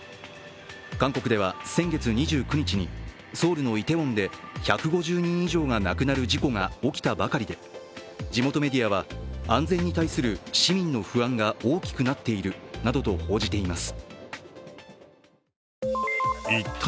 韓国では先月２９日に、ソウルのイテウォンで１５０人以上が亡くなる事故が起きたばかりで、地元メディアは安全に対する市民に不安が大きくなっているなどと報じています。